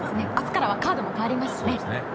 明日からはカードも変わりますしね。